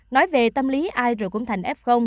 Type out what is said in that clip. nói về tâm lý ai rồi cũng thành f